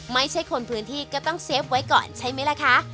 ไม่ใช่คนพื้นที่ก็ต้องเซฟไว้ก่อนใช่ไหมล่ะคะ